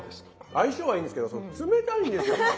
相性はいいんですけど冷たいんですよ。